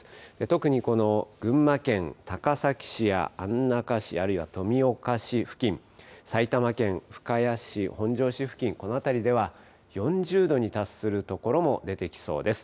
特にこの群馬県高崎市や安中市、あるいはあるいは富岡市付近、埼玉県深谷市、本庄市付近、この辺りでは、４０度に達する所も出てきそうです。